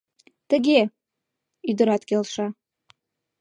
— Тыге! — ӱдырат келша.